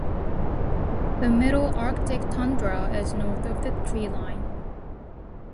The middle arctic tundra is north of the treeline.